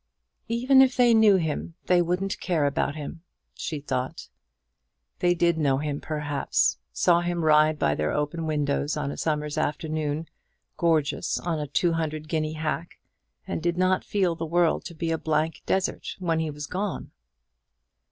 "Even if they knew him, they wouldn't care about him," she thought. They did know him, perhaps, saw him ride by their open windows, on a summer's afternoon, gorgeous on a two hundred guinea hack, and did not feel the world to be a blank desert when he was gone.